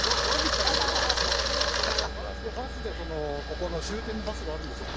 ここの終点のバスがあるんですよ